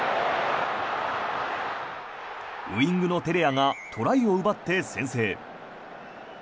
ウィングのテレアがトライを奪って、先制。